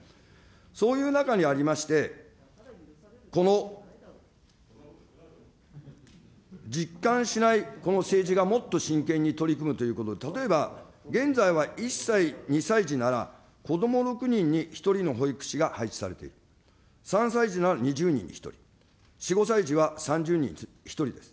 そういう中にありまして、この実感しないこの政治がもっと真剣に取り組むということ、例えば現在は１歳、２歳児ならこども６人に１人の保育士が配置されている、３歳児なら２０人に１人、４、５歳児は３０人に１人です。